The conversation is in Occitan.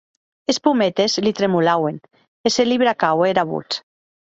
Es pometes li tremolauen, e se li bracaue era votz.